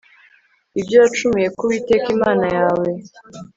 ibyo wacumuye ku Uwiteka Imana yawe